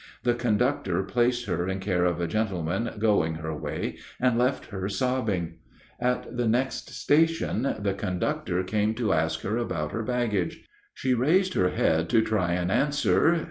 The conductor placed her in care of a gentleman going her way and left her sobbing. At the next station the conductor came to ask her about her baggage. She raised her head to try and answer.